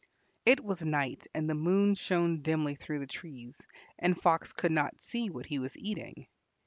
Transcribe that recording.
It was night and the moon shone dimly through the trees, and Fox could not see what he was eating.